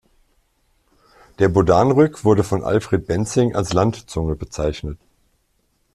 Der Bodanrück wurde von Alfred Benzing als Landzunge bezeichnet.